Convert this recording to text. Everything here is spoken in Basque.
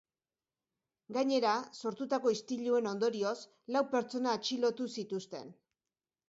Gainera, sortutako istililuen ondorioz, lau pertsona atxilotu zituzten.